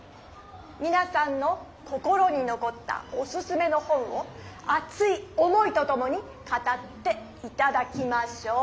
みなさんの心にのこったオススメの本をあつい思いとともにかたっていただきましょう。